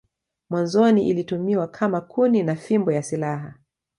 Mwanzoni ilitumiwa kama kuni na fimbo ya silaha.